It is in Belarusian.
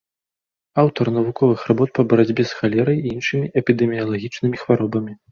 Аўтар навуковых работ па барацьбе з халерай і іншымі эпідэміялагічнымі хваробамі.